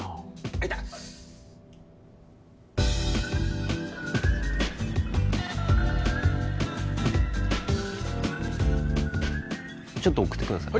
アイタッちょっと送ってください